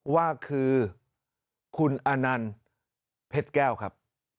ว่าคือคุณอานันต์เพชรแก้วครับ